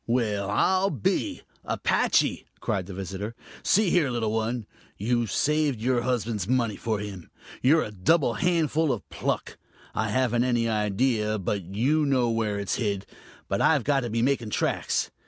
"Well, I'll be ! Apache!" cried the visitor. "See here, little one, you've saved your husband's money for him. You're a double handful of pluck. I haven't any idea but you know where it's hid but I've got to be making tracks.